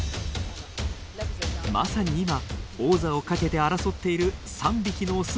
まさに今王座をかけて争っている３匹のオスがいます。